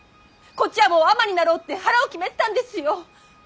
こっちはもう尼になろうって腹を決めてたんですよ。